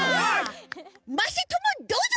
まさともどうぞ！